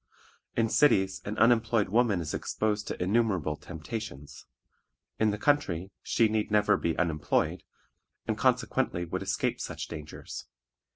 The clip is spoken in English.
In cities an unemployed woman is exposed to innumerable temptations; in the country she need never be unemployed, and consequently would escape such dangers.